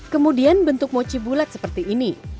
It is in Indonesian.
kemudian bentuk mochi bulat seperti ini